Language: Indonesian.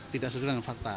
tidak sesuai dengan fakta